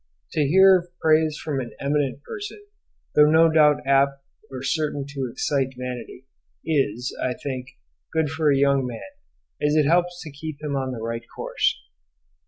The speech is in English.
To hear of praise from an eminent person, though no doubt apt or certain to excite vanity, is, I think, good for a young man, as it helps to keep him in the right course.